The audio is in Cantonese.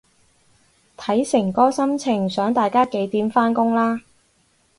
睇誠哥心情想大家幾點返工啦